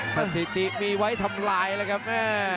สถิติมีไว้ทำลายเลยจ๊ะแม่